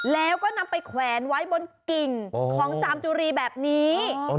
แล้วก็นำไปแขวนไว้บนกิ่งของจามจุรีแบบนี้